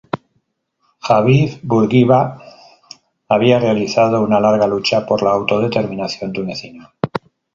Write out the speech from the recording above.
Habib Burguiba había realizado una larga lucha por la autodeterminación tunecina.